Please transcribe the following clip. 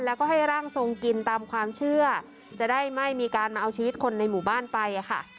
แล้วก็ให้ร่างทรงกินตามความเชื่อจะได้ไม่มีการมาเอาชีวิตคนในหมู่บ้านไปค่ะ